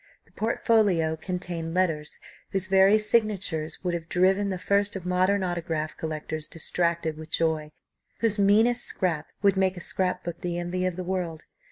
The portfolio contained letters whose very signatures would have driven the first of modern autograph collectors distracted with joy whose meanest scrap would make a scrap book the envy of the world.